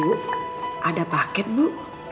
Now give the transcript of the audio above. bu ada paket bu